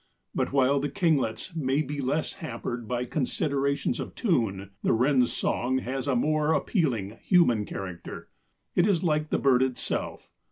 But while the kinglet's may be less hampered by considerations of tune, the Wren's song has a more appealing, human character. It is like the bird itself.